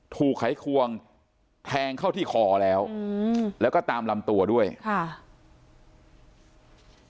ไขควงแทงเข้าที่คอแล้วอืมแล้วก็ตามลำตัวด้วยค่ะ